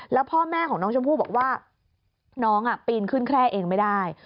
แล้วพ่อแม่ของน้องชมพู่บอกว่าน้องปีนขึ้นแคร่เองไม่ได้